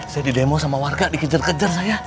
saya di demo sama warga dikejar kejar saya